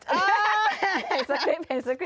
เห็นสกริป